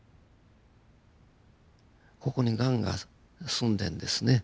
ここにガンがすんでんですね。